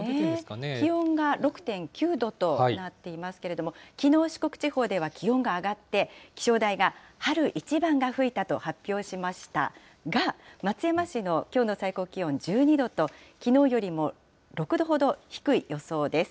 気温が６．９度となっていますけれども、きのう四国地方では気温が上がって、気象台が春一番が吹いたと発表しました、が、松山市のきょうの最高気温１２度と、きのうよりも６度ほど低い予想です。